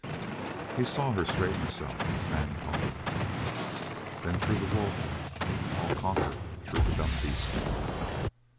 He saw her straighten herself and stand taller. "Then through the wolf I'll conquer through the dumb beast!"